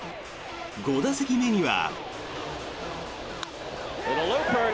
５打席目には。